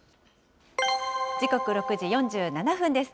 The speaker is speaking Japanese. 時刻６時４７分です。